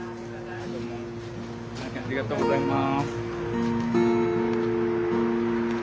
ありがとうございます。